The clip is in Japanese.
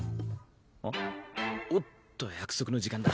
あっおっと約束の時間だ。